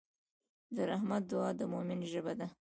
د رحمت دعا د مؤمن ژبه ده.